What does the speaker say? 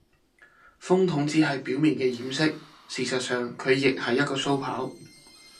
風筒只係表面嘅掩飾，事實上，佢亦係一個鬚刨